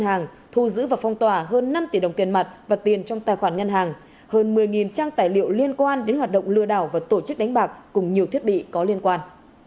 hai mươi bài viết có nội dung kích động chống phá nhà nước của đào minh quân